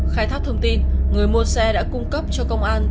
khai thác thông tin người mua xe đã cung cấp cho công an